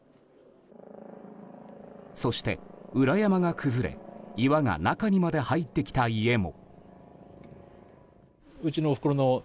そして、裏山が崩れ岩が中にまで入ってきた家も。